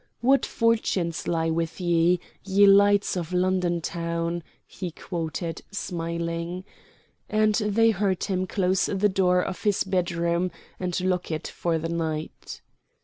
"What fortunes lie with ye, ye lights of London town?" he quoted, smiling. And they heard him close the door of his bedroom, and lock it for the night.